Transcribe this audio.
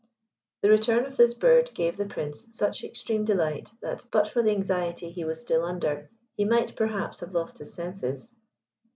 The return of this bird gave the Prince such extreme delight, that, but for the anxiety he was still under, he might perhaps have lost his senses.